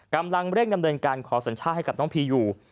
กำลังเร่งดำเนินการขอสัญชาติให้กับน้องพีอยู่